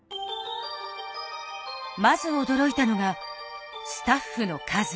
まず驚いたのがスタッフの数。